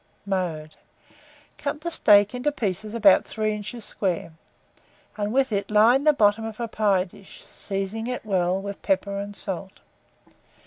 Mode. Cut the steak into pieces about 3 inches square, and with it line the bottom of a pie dish, seasoning it well with pepper and salt.